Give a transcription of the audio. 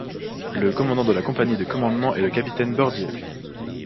Le commandant de la compagnie de commandement est le capitaine Bordier.